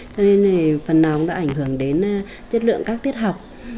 cho nên phần nào cũng đã ảnh hưởng đến chất lượng các tiết học